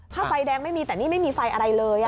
ถ้าไฟแดงไม่มีแต่นี่ไม่มีไฟอะไรเลย